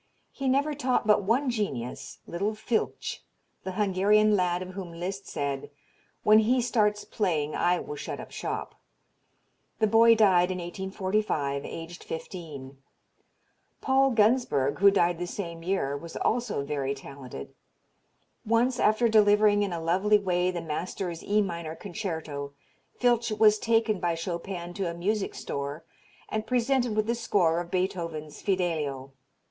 He never taught but one genius, little Filtsch, the Hungarian lad of whom Liszt said, "When he starts playing I will shut up shop." The boy died in 1845, aged fifteen; Paul Gunsberg, who died the same year, was also very talented. Once after delivering in a lovely way the master's E minor concerto Filtsch was taken by Chopin to a music store and presented with the score of Beethoven's "Fidelio."